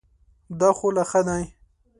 دا خو لا ښه دی .